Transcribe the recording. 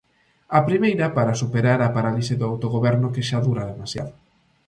A primeira, para superar a parálise do autogoberno, que xa dura demasiado.